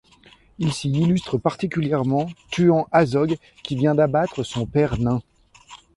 Il s'y illustre particulièrement, tuant Azog, qui vient d'abattre son père Náin.